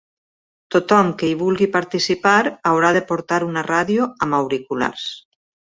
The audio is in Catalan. Tothom que hi vulgui participar haurà de portar una ràdio amb auriculars.